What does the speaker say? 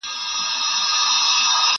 نصیب د جهاني په نوم یوه مینه لیکلې!.